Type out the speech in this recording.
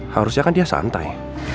harusnya kan dia santai